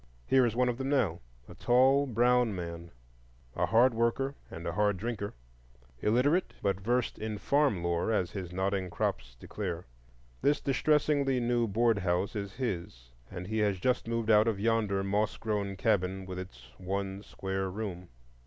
Here is one of them now,—a tall brown man, a hard worker and a hard drinker, illiterate, but versed in farmlore, as his nodding crops declare. This distressingly new board house is his, and he has just moved out of yonder moss grown cabin with its one square room.